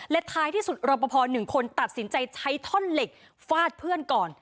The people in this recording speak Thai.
และท้ายที่สุดรอปภ๑คนตัดสินใจใช้ท่อนเหล็กฟาดเพื่อนก่อน